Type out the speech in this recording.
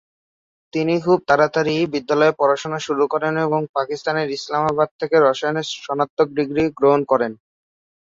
তিনি খুব তাড়াতাড়ি বিদ্যালয়ে পড়াশুনা শুরু করেন এবং পাকিস্তানের ইসলামাবাদ থেকে রসায়নে স্নাতক ডিগ্রি গ্রহণ করেন।